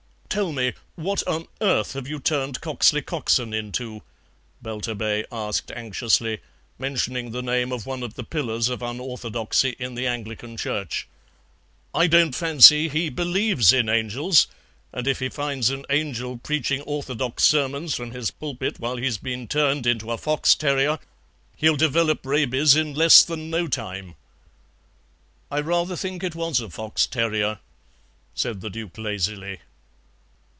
"Tell me, what on earth have you turned Cocksley Coxon into?" Belturbet asked anxiously, mentioning the name of one of the pillars of unorthodoxy in the Anglican Church. "I don't fancy he BELIEVES in angels, and if he finds an angel preaching orthodox sermons from his pulpit while he's been turned into a fox terrier, he'll develop rabies in less than no time." "I rather think it was a fox terrier," said the Duke lazily.